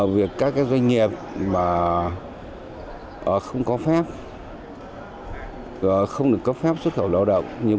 việc các doanh nghiệp không có phép xuất khẩu lao động